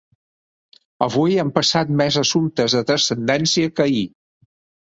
Avui han passat més assumptes de transcendència que ahir.